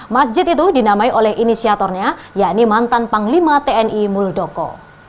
masjid itu dinamai oleh inisiatornya yakni mantan panglima tni muldoko